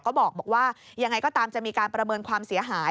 ก็บอกว่ายังไงก็ตามจะมีการประเมินความเสียหาย